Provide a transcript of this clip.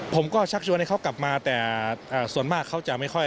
ชักชวนให้เขากลับมาแต่ส่วนมากเขาจะไม่ค่อย